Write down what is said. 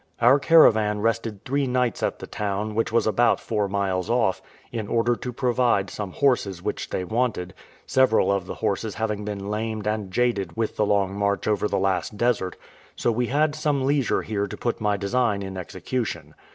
Our caravan rested three nights at the town, which was about four miles off, in order to provide some horses which they wanted, several of the horses having been lamed and jaded with the long march over the last desert; so we had some leisure here to put my design in execution.